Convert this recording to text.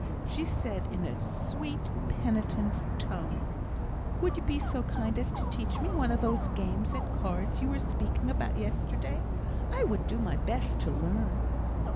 She said in a sweet, penitent tone: "Would you be so kind as to teach me one of those games at cards you were speaking about yesterday, sir? I would do my best to learn."